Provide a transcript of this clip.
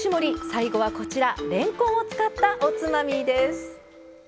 最後はこちられんこんを使ったおつまみです。